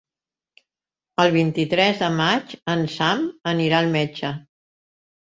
El vint-i-tres de maig en Sam anirà al metge.